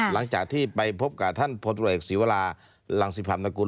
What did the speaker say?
หลังจากที่ไปพบกับท่านพศศิวาราหลังศิษย์ภาพนากุล